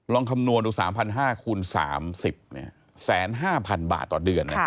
ลองคำนวณทุก๓๕๐๐คูณ๓๐แสน๕๐๐๐บาทต่อเดือน